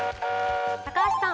高橋さん。